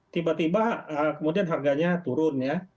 tiba tiba kemudian harganya turun ya